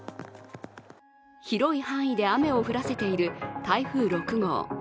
広い範囲で雨を降らせている台風６号。